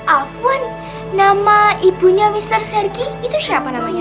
afwan nama ibunya mister sergi itu siapa namanya